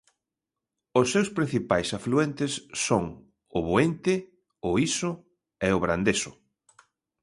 Os seus principais afluentes son o Boente, o Iso e o Brandeso.